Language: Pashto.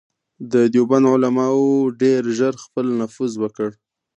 د دیوبند علماوو ډېر ژر خپل نفوذ وکړ.